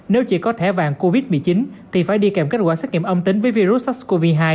nếu chỉ có thẻ vàng covid một mươi chín thì phải đi kèm kết quả xét nghiệm âm tính với virus sars cov hai